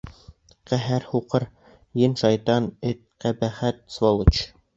Ҡәһәр һуҡҡыр, ен, шайтан, эт, ҡәбәхәт, сволочь!